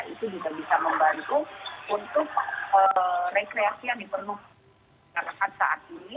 itu juga bisa membantu untuk rekreasi yang diperlukan saat ini